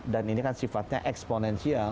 dan ini kan sifatnya eksponensial